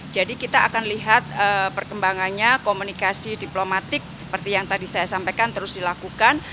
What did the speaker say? jadi kita akan lihat perkembangannya komunikasi diplomatik seperti yang tadi saya sampaikan terus dilakukan